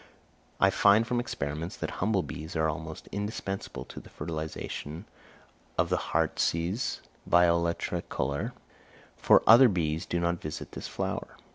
I find from experiments that humble bees are almost indispensable to the fertilisation of the heartsease (Viola tricolor), for other bees do not visit this flower.